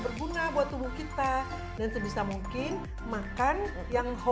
berguna buat umum kita dan sebisa mungkin makan yangkar